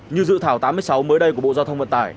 như dự thảo tám mươi sáu mới đây của bộ giao thông vận tải